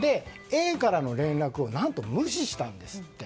Ａからの連絡を無視したんですって。